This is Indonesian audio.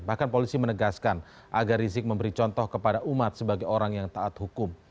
bahkan polisi menegaskan agar rizik memberi contoh kepada umat sebagai orang yang taat hukum